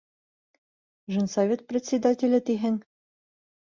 Женсовет председателе тиһең?